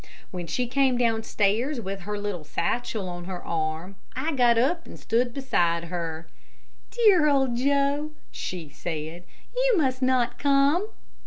When she came down stairs with her little satchel on her arm, I got up and stood beside her. "Dear, old Joe," she said, "you must not come."